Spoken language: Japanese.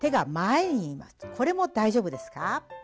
これも大丈夫ですか？